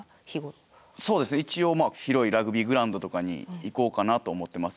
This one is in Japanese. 一応広いラグビーグラウンドとかに行こうかなと思ってます。